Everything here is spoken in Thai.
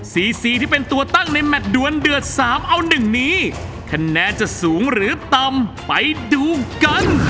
สี่สี่ที่เป็นตัวตั้งในแมทดวนเดือดสามเอาหนึ่งนี้คะแนนจะสูงหรือต่ำไปดูกัน